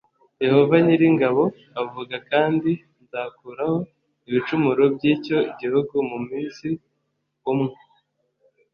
Yehova nyir ingabo avuga kandi nzakuraho ibicumuro by icyo gihugu mu munsi umwe